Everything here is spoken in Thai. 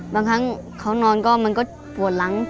บางครั้งเขานอนก็มันก็ปวดหลัง